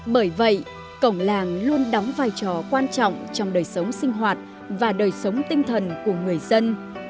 bởi vậy cổng làng luôn đóng vai trò quan trọng trong đời sống sinh hoạt và đời sống tinh thần của người dân